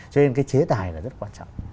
cho nên cái chế tài là rất quan trọng